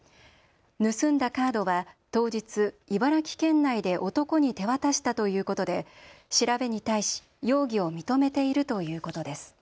盗んだカードは当日、茨城県内で男に手渡したということで調べに対し容疑を認めているということです。